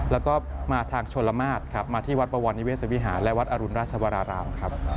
แล้วก็มาทางชนละมาศครับมาที่วัดบวรนิเวศวิหารและวัดอรุณราชวรารามครับ